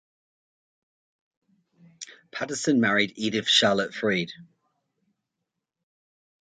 Patterson married Edith Charlotte Freed.